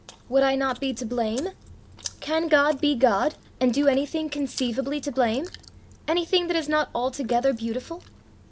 Would I not be to blame? Can God be God and do anything conceivably to blame anything that is not altogether beautiful?